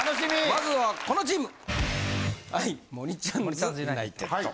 まずはこのチーム！